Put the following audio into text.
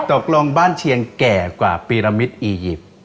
ตกลงบ้านเชียงแก่กว่าปีรมิตรอียิปต์